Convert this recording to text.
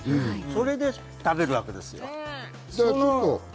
それで食べるわけですよ。